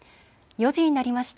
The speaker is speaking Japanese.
４時になりました。